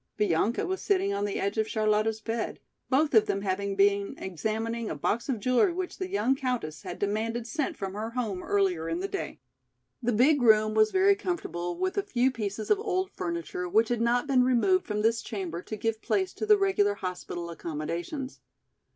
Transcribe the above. Bianca was sitting on the edge of Charlotta's bed, both of them having been examining a box of jewelry which the young countess had demanded sent from her home earlier in the day. The big room was very comfortable with a few pieces of old furniture which had not been removed from this chamber to give place to the regular hospital accommodations.